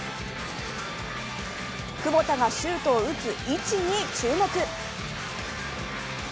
窪田がシュートを打つ位置に注目。